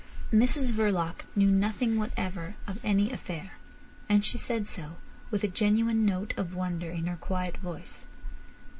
Mrs Verloc knew nothing whatever of any affair. And she said so, with a genuine note of wonder in her quiet voice.